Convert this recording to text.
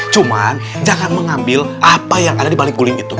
cuman jangan mengambil apa yang ada dibalik guling itu